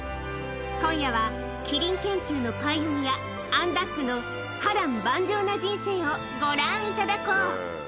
今夜はキリン研究のパイオニア、アン・ダッグの波乱万丈な人生をご覧いただこう。